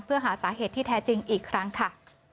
เพื่อหาสาเหตุที่แท้จริงอีกครั้งค่ะ